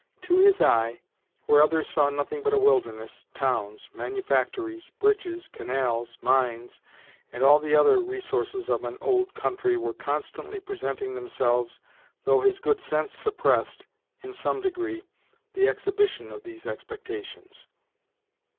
To his eye, where others saw nothing but a wilderness, towns, manufactories, bridges, canals, mines, and all the other resources of an old country were constantly presenting themselves, though his good sense suppressed, in some degree, the exhibition of these expectations.